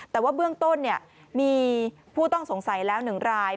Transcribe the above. แต่ว่าเบื้องต้นมีผู้ต้องสงสัยแล้ว๑ราย